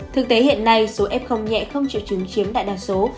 thực tế hiện nay số f nhẹ không triệu chứng chiếm đại đa số